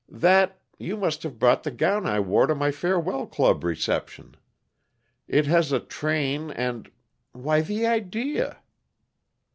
That you must have brought the gown I wore to my farewell club reception. It has a train, and why, the _idea!